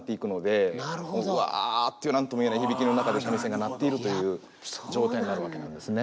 ぶわって何とも言えない響きの中で三味線が鳴っているという状態になるわけなんですね。